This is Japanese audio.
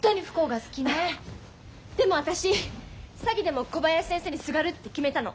でも私詐欺でも小林先生にすがるって決めたの。